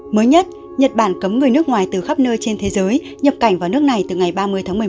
mới nhất nhật bản cấm người nước ngoài từ khắp nơi trên thế giới nhập cảnh vào nước này từ ngày ba mươi tháng một mươi một